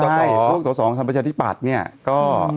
ไรว่นโฆสองสิบาทสรรพัชทิครัจนิดนึง